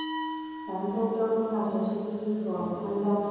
兰州交通大学是第一所参与青藏铁路建设的高校。